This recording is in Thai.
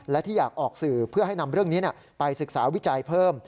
และที่อยากออกสื่อเพื่อให้นำเรื่องนี้ไปศึกษาวิจัยเพิ่ม